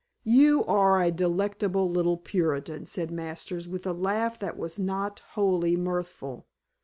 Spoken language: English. "You are a delectable little Puritan," said Masters with a laugh that was not wholly mirthful.